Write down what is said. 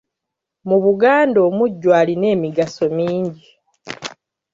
Mu Buganda Omujjwa alina emigaso mingi.